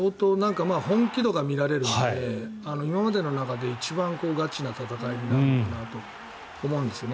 本気度が見られるので今までの中で一番ガチな戦いになるかなと思うんですね。